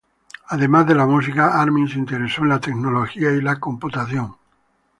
Además de la música, Armin se interesó en la tecnología y la computación.